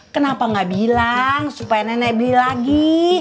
kenapa nggak bilang supaya nenek beli lagi